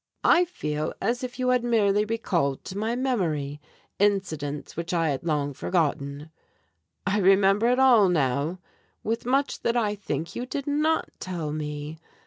I feel as if you had merely recalled to my memory incidents which I had long forgotten. I remember it all now, with much that I think you did not tell me.